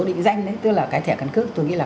định danh đấy tức là cái thẻ căn cứ tôi nghĩ là